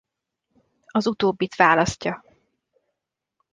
Az utóbbit választja.